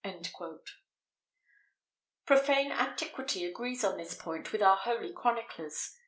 [XVIII 3] Profane antiquity agrees on this point with our holy chroniclers.